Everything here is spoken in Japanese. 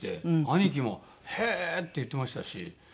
兄貴も「へえー！」って言ってましたし。